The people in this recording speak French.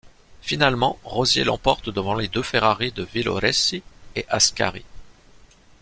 Finalement, Rosier l'emporte devant les deux Ferrari de Villoresi et Ascari.